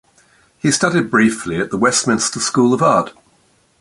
He studied briefly at the Westminster School of Art.